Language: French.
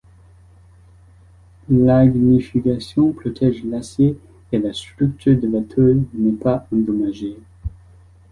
L'ignifugation protège l'acier et la structure de la tour n'est pas endommagée.